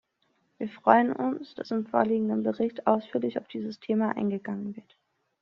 Wir freuen uns, dass im vorliegenden Bericht ausführlich auf dieses Thema eingegangen wird.